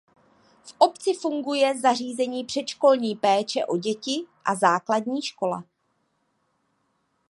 V obci funguje zařízení předškolní péče o děti a základní škola.